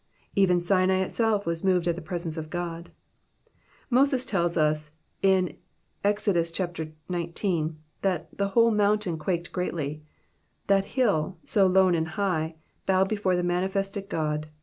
^^Even Sinai itself was moved at the prrsenee of God,^^ Moses tells us, in Ex. xix., that the whole mountain quaked greatly." That hill, so lone and high, bowed before the manifested God.